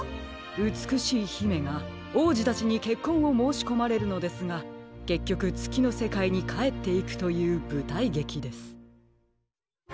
うつくしいひめがおうじたちにけっこんをもうしこまれるのですがけっきょくつきのせかいにかえっていくというぶたいげきです。